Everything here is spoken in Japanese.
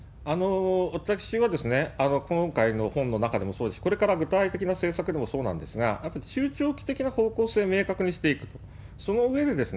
私は、今回の本の中でもそうですし、これから具体的な政策でもそうなんですが、やっぱり中長期的な方向性を明確にしていくと。